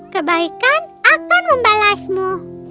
kebaikan akan membalasmu